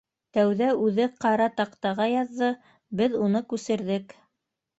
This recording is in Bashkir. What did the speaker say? Тәүҙә үҙе ҡара таҡтаға яҙҙы, беҙ уны күсерҙек.